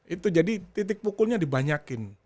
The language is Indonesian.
itu jadi titik pukulnya dibanyakin